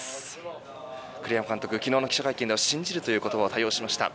栗山監督、昨日の記者会見では信じるという言葉を多用しました。